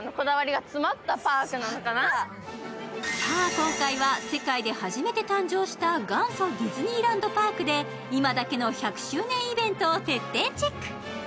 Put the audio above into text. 今回は世界で初めて誕生した元祖ディズニーランドパークで今だけの１００周年イベントを徹底チェック！